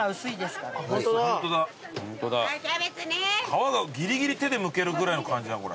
皮がぎりぎり手でむけるぐらいの感じだこれ。